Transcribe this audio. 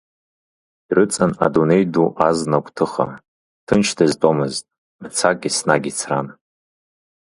Дрыҵан адунеи ду азна агәҭыха, ҭынч дызтәомызт, мцак еснагь ицран.